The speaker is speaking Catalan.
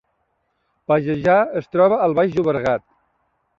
Pallejà es troba al Baix Llobregat